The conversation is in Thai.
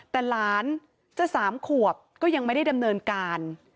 แต่หลานจะ๓ขวบก็ยังไม่ได้ดำเนินการ